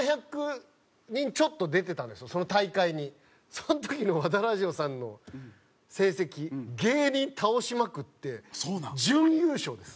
その時の和田ラヂヲさんの成績芸人倒しまくって準優勝です。